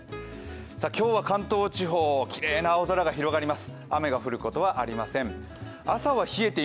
今日は関東地方、きれいな青空が広がります。